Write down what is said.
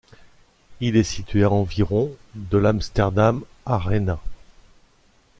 Il est situé à environ de l'Amsterdam ArenA.